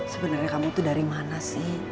sebenarnya kamu itu dari mana sih